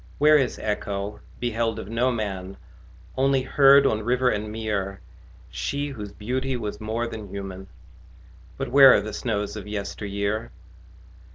Where is Echo, beheld of no man, Only heard on river and mere She whose beauty was more than human? But where are the snows of yesteryear?